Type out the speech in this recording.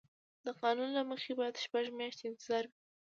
د قانون له مخې باید شپږ میاشتې انتظار وي.